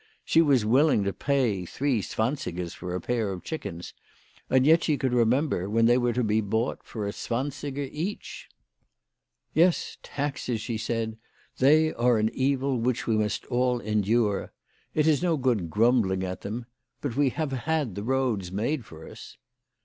She was willing to pay three zwansigers a pair for chickens, and yet she could remember when they were to be bought for a zwansiger each. "Yes, taxes," she said ; "they are an evil which we WHY FRATJ FROHMANN RAISED HER PRICES. 49 must all endure. It is no good grumbling at them. But we have had the roads made for us."